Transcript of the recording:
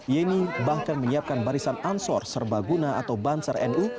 yeni bahkan menyiapkan barisan ansur serbaguna atau bansar nu